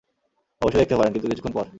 অবশ্যই দেখতে পারেন, কিন্তু, কিছুক্ষন পর।